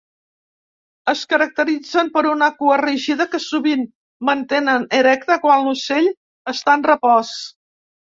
Es caracteritzen per una cua rígida que sovint mantenen erecta quan l'ocell està en repòs.